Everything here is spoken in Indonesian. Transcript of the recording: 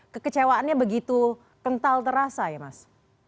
kekecewaannya begitu kental terasa ya mas